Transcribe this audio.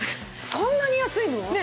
そんなに安いの？